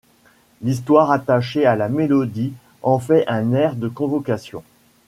L'histoire attaché à la mélodie en fait un air de convocation.